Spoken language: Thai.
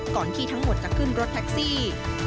ก่อนที่ทั้งหมดจะขึ้นรถแท็กซี่